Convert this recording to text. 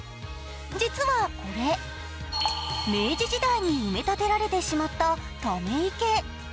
実はこれ、明治時代に埋め立てられてしまったため池。